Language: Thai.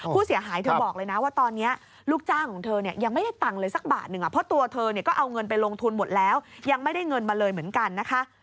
ผู้เสียหายเธอบอกเลยนะว่าตอนนี้ลูกจ้างของเธอเนี่ยยังไม่ได้ตังค์เลยสักบาทหนึ่งเพราะตัวเธอเนี่ยก็เอาเงินไปลงทุนหมดแล้วยังไม่ได้เงินมาเลยเหมือนกันนะคะ